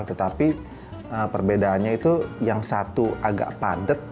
tetapi perbedaannya itu yang satu agak padat